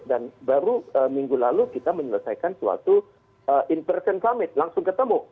dan baru minggu lalu kita menyelesaikan suatu in person summit langsung ketemu